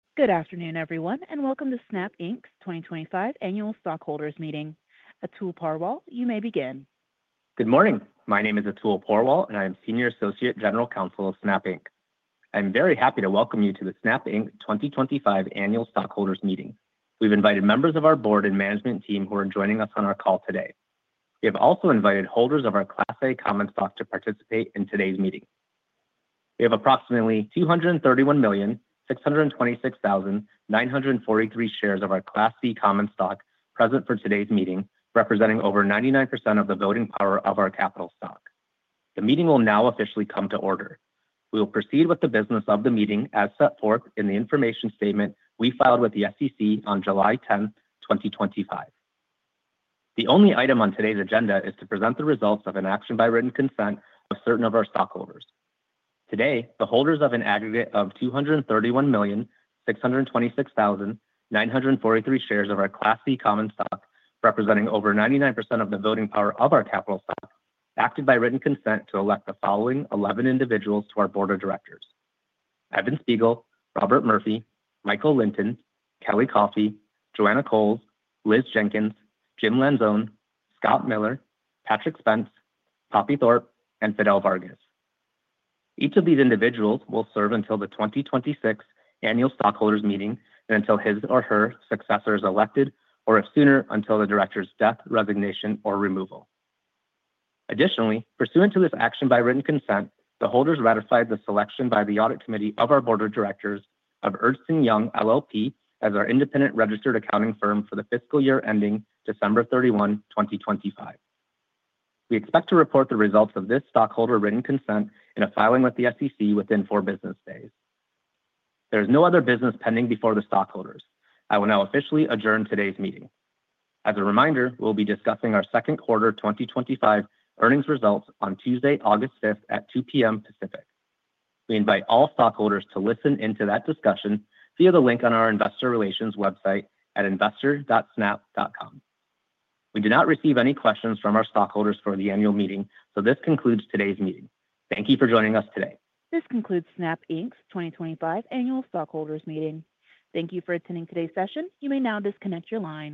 Good afternoon, everyone, and welcome to Snap Inc.'s 2025 Annual Stockholders Meeting. Atul Porwal, you may begin. Good morning. My name is Atul Porwal, and I am Senior Associate General Counsel of Snap Inc. I'm very happy to welcome you to the Snap Inc. 2025 Annual Stockholders Meeting. We've invited members of our board and management team who are joining us on our call today. We have also invited holders of our Class A common stock to participate in today's meeting. We have approximately 231,626,943 shares of our Class C common stock present for today's meeting, representing over 99% of the voting power of our capital stock. The meeting will now officially come to order. We will proceed with the business of the meeting as set forth in the information statement we filed with the SEC on July 10, 2025. The only item on today's agenda is to present the results of an action by written consent of certain of our stockholders. Today, the holders of an aggregate of 231,626,943 shares of our Class C common stock, representing over 99% of the voting power of our capital stock, acted by written consent to elect the following 11 individuals to our board of directors: Evan Spiegel, Robert Murphy, Michael Lynton, Kelly Coffey, Joanna Coles, Liz Jenkins, Jim Lanzone, Scott Miller, Patrick Spence, Poppy Thorpe, and Fidel Vargas. Each of these individuals will serve until the 2026 Annual Stockholders Meeting and until his or her successor is elected, or if sooner, until the director's death, resignation, or removal. Additionally, pursuant to this action by written consent, the holders ratified the selection by the audit committee of our board of directors of Ernst & Young LLP as our independent registered accounting firm for the fiscal year ending December 31, 2025. We expect to report the results of this stockholder written consent in a filing with the SEC within four business days. There is no other business pending before the stockholders. I will now officially adjourn today's meeting. As a reminder, we'll be discussing our second quarter 2025 earnings results on Tuesday, August 5, at 2:00 P.M. Pacific. We invite all stockholders to listen in to that discussion via the link on our investor relations website at investor.snap.com. We did not receive any questions from our stockholders for the annual meeting, so this concludes today's meeting. Thank you for joining us today. This concludes Snap Inc.'s 2025 Annual Stockholders Meeting. Thank you for attending today's session. You may now disconnect your line.